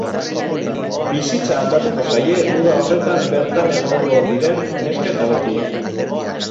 Bizitza aldatuko zaie uda horretan bertan egongo diren neska eta mutilei.